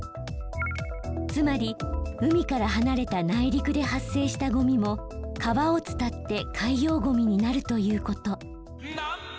つまり海から離れた内陸で発生したゴミも川を伝って海洋ゴミになるということ。